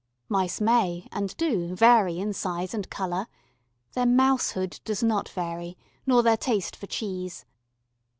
Mice may, and do, vary in size and colour; their mousehood does not vary, nor their taste for cheese.